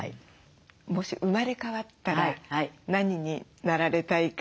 もし生まれ変わったら何になられたいか？